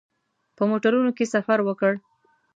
په موټرونو کې سفر وکړ.